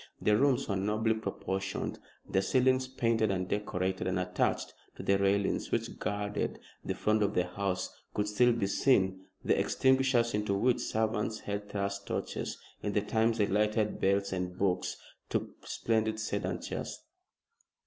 The rooms were nobly proportioned, their ceilings painted and decorated, and attached to the railings which guarded the front of the house could still be seen the extinguishers into which servants had thrust torches in the times they lighted belles and beaux to splendid sedan chairs.